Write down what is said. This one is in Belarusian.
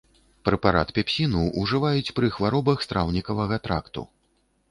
Прэпарат пепсіну ўжываюць пры хваробах страўнікавага тракту.